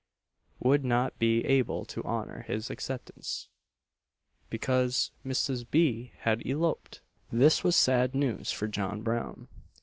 would not be able to honour his acceptance, because Mrs. B. had eloped! This was sad news for John Brown.